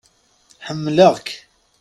Ḥemmleɣ-k.